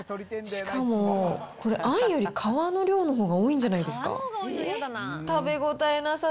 しかもこれ、あんより皮の量のほうが多いんじゃないですか。